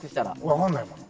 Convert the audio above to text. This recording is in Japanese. わかんないもの。